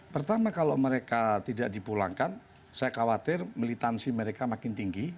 pertama kalau mereka tidak dipulangkan saya khawatir militansi mereka makin tinggi